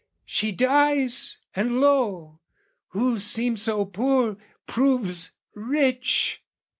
She dies, and lo, who seemed so poor, proves rich!